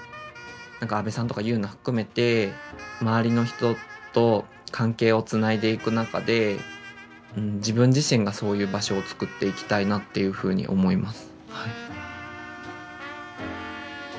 阿部さんとか佑奈含めて周りの人と関係をつないでいく中で自分自身がそういう場所をつくっていきたいなっていうふうに思います。